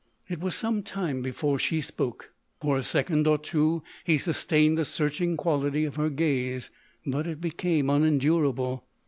It was some time before she spoke. For a second or two he sustained the searching quality of her gaze, but it became unendurable.